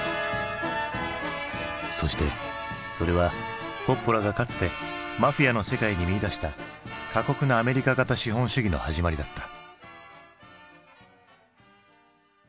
そしてそれはコッポラがかつてマフィアの世界に見いだした過酷なアメリカ型資本主義の始まりだった。